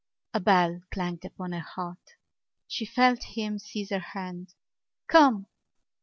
A bell clanged upon her heart. She felt him seize her hand: "Come!"